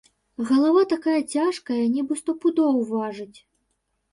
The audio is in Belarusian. Галава такая цяжкая, нібы сто пудоў важыць.